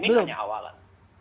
ini hanya awalan